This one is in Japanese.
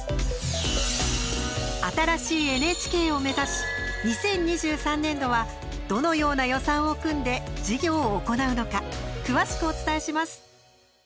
新しいＮＨＫを目指し２０２３年度はどのような予算を組んで、事業を行うのか詳しくお伝えします。